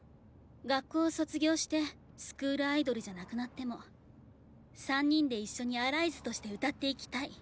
学校を卒業してスクールアイドルじゃなくなっても３人で一緒にＡ−ＲＩＳＥとして歌っていきたい。